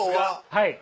はい。